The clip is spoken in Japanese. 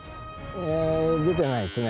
ええ出てないですね